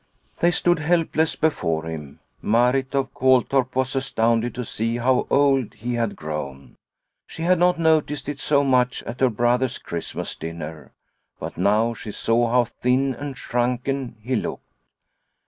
They stood helpless before him. Marit of Koltorp was astounded to see how old he had grown. She had not noticed it so much at her brother's Christmas dinner, but now she saw how thin and shrunken he looked.